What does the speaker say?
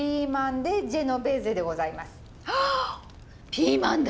ピーマンだ！